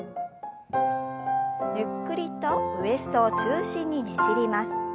ゆっくりとウエストを中心にねじります。